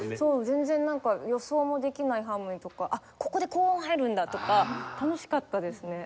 全然なんか予想もできないハーモニーとか「あっここでこう入るんだ」とか楽しかったですね。